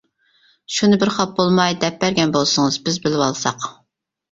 شۇنى بىر خاپا بولماي دەپ بەرگەن بولسىڭىز، بىز بىلىۋالساق.